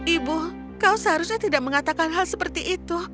ibu kau seharusnya tidak mengatakan hal seperti itu